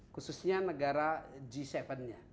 khususnya negara g tujuh nya